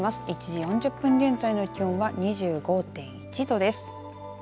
１時４０分現在の気温は２５．１度です。